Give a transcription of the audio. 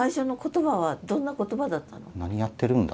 「何やってるんだ？」